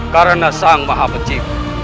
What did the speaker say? karena sang maha peci